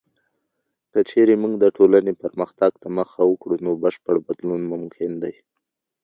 که چیرته موږ د ټولنې پرمختګ ته مخه وکړو، نو بشپړ بدلون ممکن دی.